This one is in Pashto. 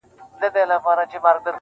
ویل زه که یو ځل ولاړمه ورکېږم-